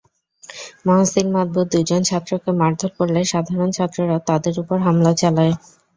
মহসিন মাদবর দুজন ছাত্রকে মারধর করলে সাধারণ ছাত্ররা তাঁদের ওপর হামলা চালায়।